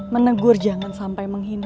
menegur jangan sampai menghina